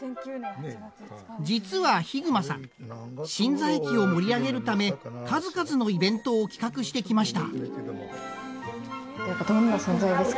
実は熊さんしんざ駅を盛り上げるため数々のイベントを企画してきました。